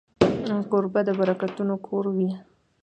کوربه د برکتونو کور وي.